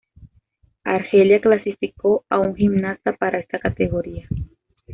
Argelia clasificó a un gimnasta para esta categoría.